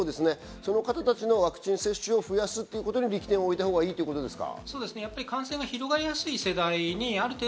その方たちのワクチン接種を増やすことに力点を置いたほうがいいということですか？